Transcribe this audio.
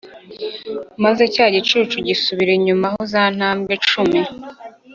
maze cya gicucu gisubira inyuma ho za ntambwe cumi.